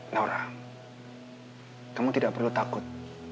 nora kamu tidak perlu takut